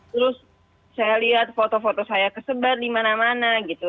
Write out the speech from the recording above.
terus saya lihat foto foto saya kesebar di mana mana gitu